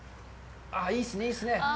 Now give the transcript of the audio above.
いいですね、いいですね。